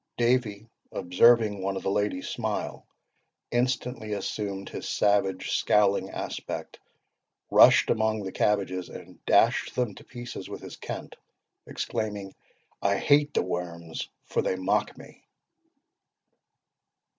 Davie, observing one of the ladies smile, instantly assumed his savage, scowling aspect, rushed among the cabbages, and dashed them to pieces with his KENT, exclaiming, 'I hate the worms, for they mock me!